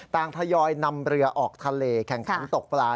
ทยอยนำเรือออกทะเลแข่งขันตกปลา